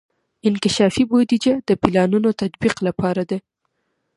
انکشافي بودیجه د پلانونو تطبیق لپاره ده.